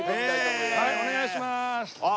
はいお願いしまーす。